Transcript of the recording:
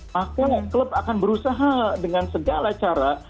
maka klub akan berusaha dengan segala cara